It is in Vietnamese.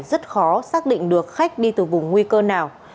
rất khó xác định được khách đi từ vùng nguy cơ nào